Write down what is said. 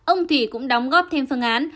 ông thủy cũng đóng góp thêm phương án